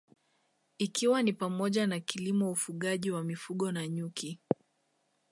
Ikiwa ni pamoja na kilimo ufugaji wa mifugo na nyuki